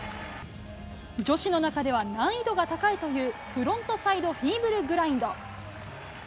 女子の中では難易度が高いというフロントサイドフィーブルグラインド。